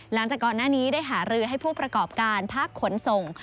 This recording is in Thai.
หลังจากก่อนหน้านี้ได้หารือให้ผู้ประกอบการภาคขนส่ง